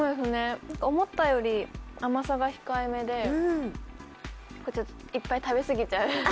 思ったより甘さが控えめでいっぱい食べ過ぎちゃう。